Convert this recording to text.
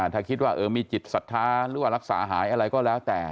ถ้าคิดว่าเออมีจิตศรัทธารักษาหายอะไรก็แล้วแต่